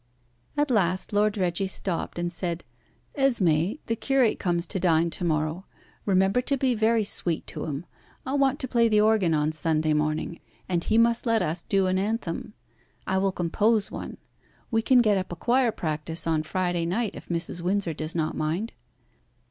At last Lord Reggie stopped, and said, "Esmé, the curate comes to dine to morrow. Remember to be very sweet to him. I want to play the organ on Sunday morning, and he must let us do an anthem. I will compose one. We can get up a choir practice on Friday night, if Mrs. Windsor does not mind."